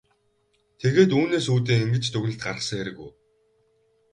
Та тэгээд үүнээс үүдэн ингэж дүгнэлт гаргасан хэрэг үү?